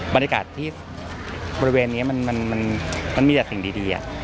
บรรยากาศที่บริเวณนี้มันมีแต่สิ่งดี